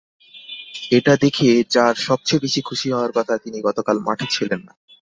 এটা দেখে যাঁর সবচেয়ে বেশি খুশি হওয়ার কথা, তিনি গতকাল মাঠে ছিলেন না।